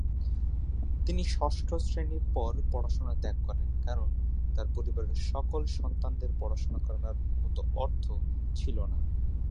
তিনি ষষ্ঠ শ্রেণির পর পড়াশোনা ত্যাগ করেন, কারণ তার পরিবারের সকল সন্তানদের পড়াশোনা করানোর মত অর্থ ছিল না।